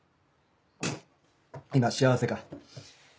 今幸せか？